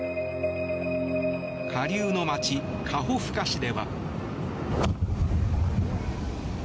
下流の街、カホフカ市では。